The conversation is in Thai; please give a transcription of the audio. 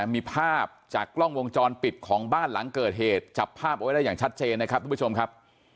มีภาพจากกล้องวงจรปิดของบ้านหลังเกิดเหตุจับภาพเอาไว้ได้อย่างชัดเจนนะครับทุกผู้ชมครับ